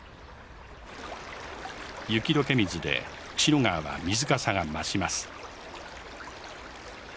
雪解け水で釧路川は水かさが増します。